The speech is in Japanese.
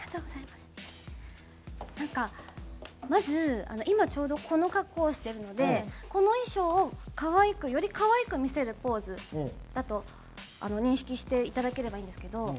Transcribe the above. なんかまず今ちょうどこの格好をしてるのでこの衣装を可愛くより可愛く見せるポーズだと認識していただければいいんですけど。